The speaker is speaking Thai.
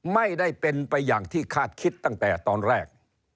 ไม่ได้เป็นไปอย่างที่คาดคิดตั้งแต่ตอนแรก